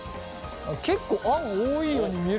結構あん多いように見えるけどね。